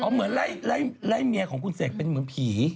เหมือนไล่เมียของคุณเสกเป็นเหมือนผี